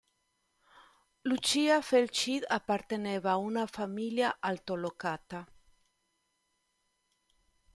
Lucia Fairchild apparteneva ad una famiglia altolocata.